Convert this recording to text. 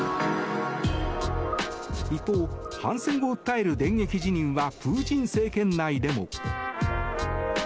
一方、反戦を訴える電撃辞任はプーチン政権内でも。